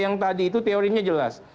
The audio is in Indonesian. yang tadi itu teorinya jelas